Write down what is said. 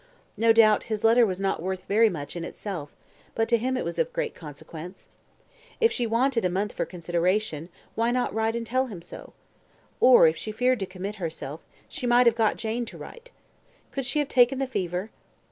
No doubt, his letter was not worth very much in itself; but to him it was great consequence. If she wanted a month for consideration, why not write and tell him so? Or, if she feared to commit herself, she might have got Jane to write. Could she have taken the fever?